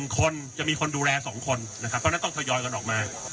๑คนจะมีคนดูแล๒คนนะครับเพราะฉะนั้นต้องทยอยกันออกมา